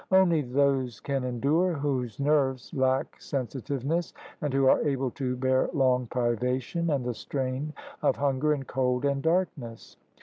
Only those can endure whose nerves lack sensitiveness and who are able to bear long privation and the strain of hunger and cold and darkness.